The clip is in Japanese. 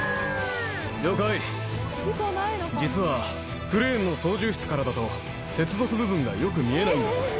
実はクレーンの操縦室からだと、接続部分がよく見えないんです。